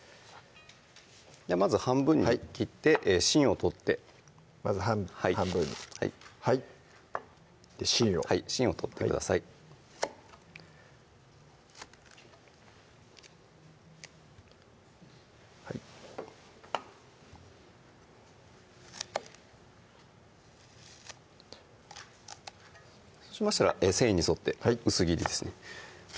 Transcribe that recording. まず半分に切って芯を取ってまず半分にで芯をはい芯を取ってくださいそうしましたら繊維に沿って薄切りですね